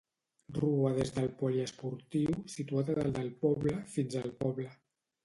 Rua des del poliesportiu, situat a dalt del poble, fins al poble.